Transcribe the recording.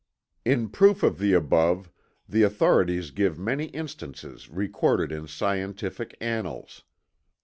In proof of the above, the authorities give many instances recorded in scientific annals.